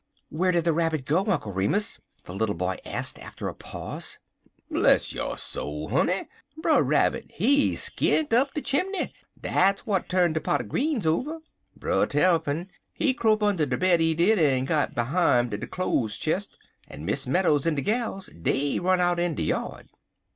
"Where did the Rabbit go, Uncle Remus?" the little boy asked, after a pause. "Bless yo' soul, honey! Brer Rabbit he skint up de chimbly dat's w'at turnt de pot er greens over. Brer Tarrypin, he crope under de bed, he did, en got behime de cloze chist, en Miss Meadows en de gals, dey run out in de yard.